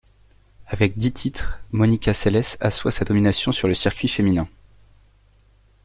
Avec dix titres, Monica Seles assoit sa domination sur le circuit féminin.